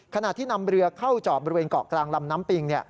ขณะที่นำเรือเข้าจอดบริเวณเกาะกลางลำน้ำปิง